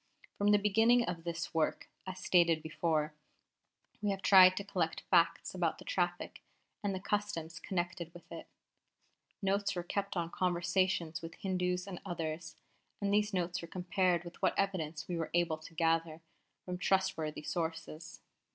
From the beginning of this work, as stated before, we have tried to collect facts about the traffic and the customs connected with it. Notes were kept of conversations with Hindus and others, and these notes were compared with what evidence we were able to gather from trustworthy sources.